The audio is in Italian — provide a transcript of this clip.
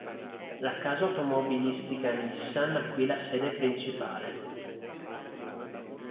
La casa automobilistica Nissan ha qui la sede principale.